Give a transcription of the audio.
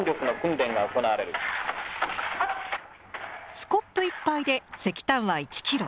スコップ１杯で石炭は１キロ。